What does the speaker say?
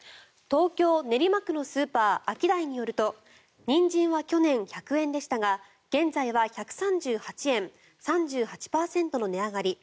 東京・練馬区のスーパーアキダイによるとニンジンは去年１００円でしたが現在は１３８円３８％の値上がり。